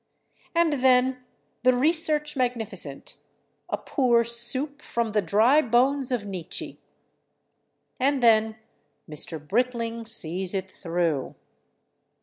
And then "The Research Magnificent": a poor soup from the dry bones of Nietzsche. And then "Mr. Britling Sees It Through"....